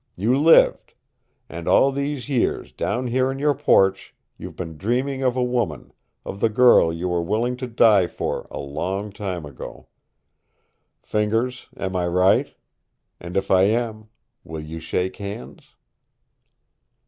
You lived! And all these years, down here on your porch, you've been dreaming of a woman, of the girl you were willing to die for a long time ago. Fingers, am I right? And if I am, will you shake hands?"